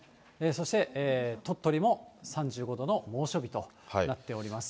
そして鳥取も３５度の猛暑日となっております。